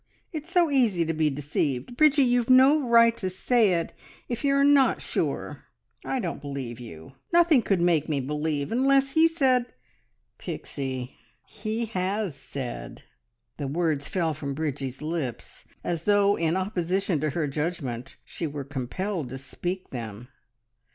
It's so easy to be deceived! Bridgie, you've no right to say it if you are not sure. I don't believe you! Nothing could make me believe unless he said " "Pixie, he has said!" The words fell from Bridgie's lips as though in opposition to her judgment she were compelled to speak them.